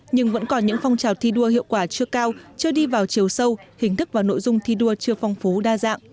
nhưng vẫn còn những phong trào thi đua hiệu quả chưa cao chưa đi vào chiều sâu hình thức và nội dung thi đua chưa phong phú đa dạng